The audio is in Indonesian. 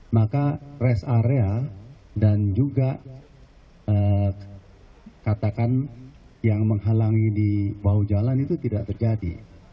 maka rest area dan juga katakan yang menghalangi di bahu jalan itu tidak terjadi